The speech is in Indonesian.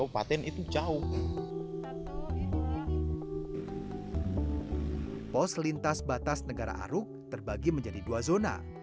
pos lintas batas negara aruk terbagi menjadi dua zona